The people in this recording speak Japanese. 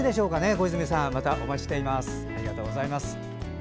小泉さんまたお待ちしています。